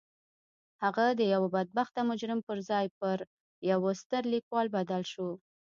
هغه د یوه بدبخته مجرم پر ځای پر یوه ستر لیکوال بدل شو